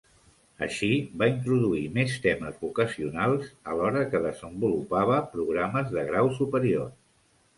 Així, va introduir més temes vocacionals, alhora que desenvolupava programes de grau superior.